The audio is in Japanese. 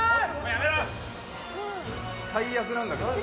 最悪なんだけど。